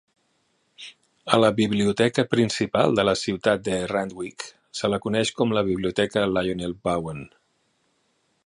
A la biblioteca principal de la ciutat de Randwick se la coneix com la Biblioteca Lionel Bowen.